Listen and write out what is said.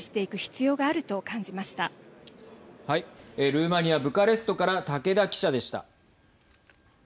ルーマニアブカレストから竹田記者でした。